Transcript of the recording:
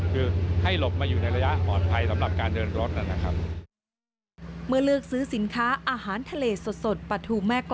คือให้หลบมาอยู่ในระยะปลอดภัยสำหรับการเดินรถนะครับ